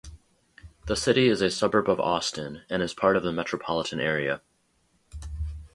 The city is a suburb of Austin, and is part of the metropolitan area.